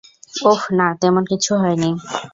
ওহ না, তেমন কিছু হয়নি।